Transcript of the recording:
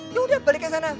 yaudah balik ke sana